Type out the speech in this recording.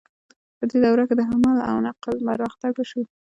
په دې دوره کې د حمل او نقل پرمختګ وشو.